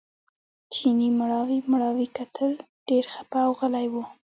چیني مړاوي مړاوي کتل ډېر خپه او غلی و.